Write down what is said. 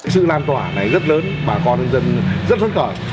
sự lan tỏa này rất lớn bà con nhân dân rất thất khởi